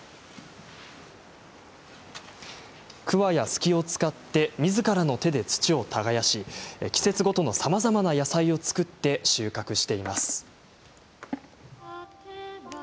くわやすきを使ってみずからの手で土を耕し季節ごとのさまざまな野菜を作って収穫しています。